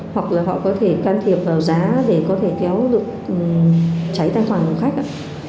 hoặc là họ có thể can thiệp vào giá để có thể kéo được cháy tài khoản của khách ạ